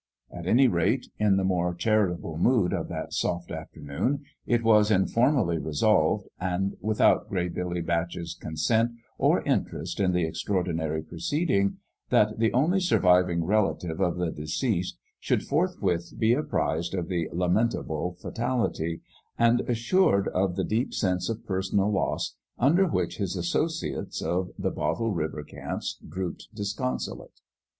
At any rate, in the more charitable mood of that soft afternoon, it was informally resolved, and without Gray Billy Batch's consent or interest in the extraordinary proceeding, that the only surviving relative of the deceased should forthwith be apprized of the An ENGAGEMENT WHH GOD 21 lamentable fatality and assured of the deep sense of personal loss under which his associates of the Bottle River camps drooped disconsolate.